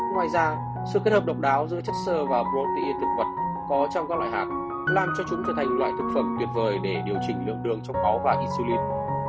ngoài ra sự kết hợp độc đáo giữa chất sơ và protein thực vật có trong các loại hạt làm cho chúng trở thành loại thực phẩm tuyệt vời để điều chỉnh lượng đường trong máu và isuli